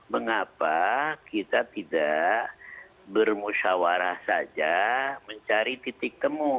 mengapa kita tidak bermusyawarah saja mencari titik temu